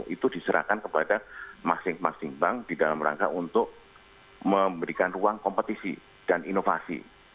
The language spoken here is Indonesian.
itu diserahkan kepada masing masing bank di dalam rangka untuk memberikan ruang kompetisi dan inovasi